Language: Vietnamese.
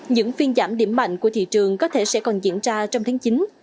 những phiên giảm điểm mạnh của thị trường có thể sẽ còn diễn ra trong tháng chín